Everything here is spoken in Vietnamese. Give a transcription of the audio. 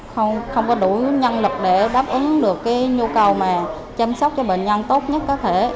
không có đủ nhân lực để đáp ứng được nhu cầu mà chăm sóc cho bệnh nhân tốt nhất có thể